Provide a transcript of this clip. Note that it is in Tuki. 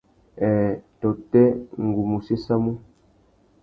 Nhêê tôtê, ngu mú séssamú.